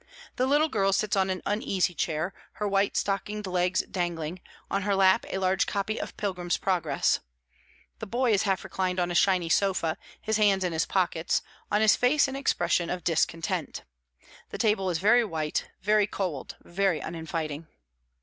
The little girl sits on an uneasy chair, her white stockinged legs dangling, on her lap a large copy of "Pilgrim's Progress;" the boy is half reclined on a shiny sofa, his hands in his pockets, on his face an expression of discontent. The table is very white, very cold, very uninviting.